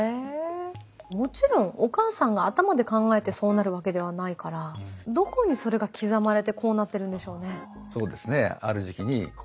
もちろんお母さんが頭で考えてそうなるわけではないからどこにそれが刻まれてこうなってるんでしょうね？